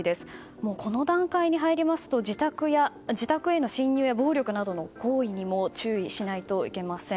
もう、この段階に入りますと自宅への侵入や暴力などの行為にも注意しないといけません。